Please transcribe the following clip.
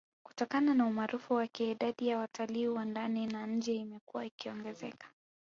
Kutokana na umaarufu wake idadi ya watalii wa ndani na nje imekuwa ikiongezeka